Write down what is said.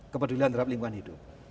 kepedulian terhadap lingkungan hidup